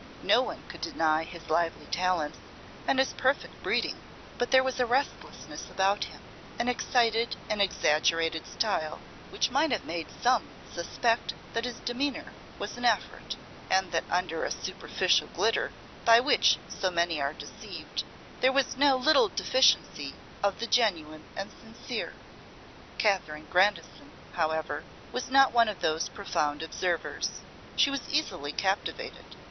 No one could deny his lively talents and his perfect breeding, but there was a restlessness about him, an excited and exaggerated style, which might have made some suspect that his demeanour was an effort, and that under a superficial glitter, by which so many are deceived, there was no little deficiency of the genuine and sincere. Katherine Grandison, however, was not one of those profound observers. She was easily captivated.